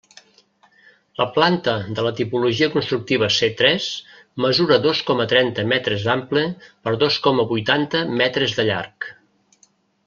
La planta de la tipologia constructiva C tres mesura dos coma trenta metres d'ample per dos coma vuitanta metres de llarg.